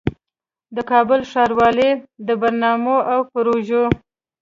د کابل ښاروالۍ د برنامو او پروژو